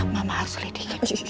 mama harus ledekin